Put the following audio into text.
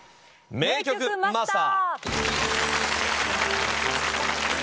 『名曲マスター』。